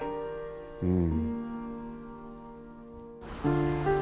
うん。